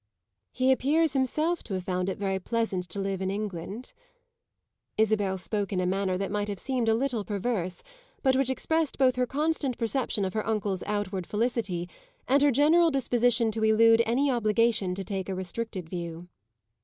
"He appears himself to have found it very pleasant to live in England." Isabel spoke in a manner that might have seemed a little perverse, but which expressed both her constant perception of her uncle's outward felicity and her general disposition to elude any obligation to take a restricted view.